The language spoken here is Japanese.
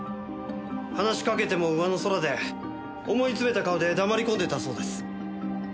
話しかけても上の空で思いつめた顔で黙り込んでたそうです。